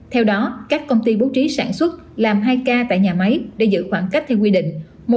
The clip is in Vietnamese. theo đó các công ty bố trí sản xuất làm hai k tại nhà máy để giữ khoảng cách theo quy định